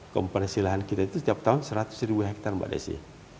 komponensi lahan kita itu setiap tahun seratus ribu hektare mbak desi